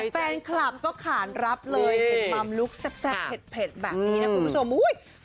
ฟานครับก็ขานรับเลยแบบมัมลุคซับเผ็ดแบบนี้นะคุณคุณผู้ชม